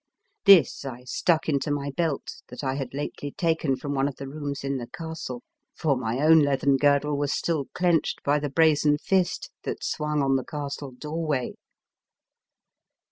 This I stuck into my belt that I had lately taken from one of the rooms in the castle, for my own leathern girdle was still clenched by the brazen fist that swung on the castle doorwway.